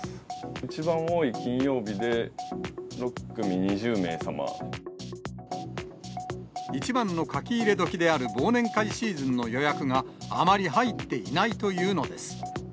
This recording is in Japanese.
一番多い金曜日で、一番の書き入れ時である忘年会シーズンの予約が、あまり入っていないというのです。